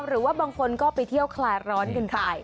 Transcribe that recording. หรือว่าบางคนก็ไปเที่ยวคลายร้อนกันไป